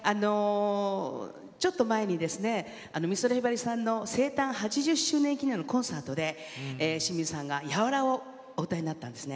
ちょっと前に美空ひばりさんの生誕８０周年記念のコンサートで清水さんが「柔」をお歌いになったんですね。